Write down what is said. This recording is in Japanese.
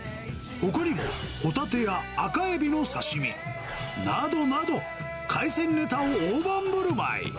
ほかにもホタテや赤エビの刺身などなど、海鮮ネタを大盤ぶるまい。